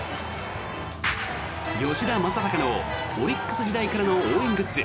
吉田正尚のオリックス時代からの応援グッズ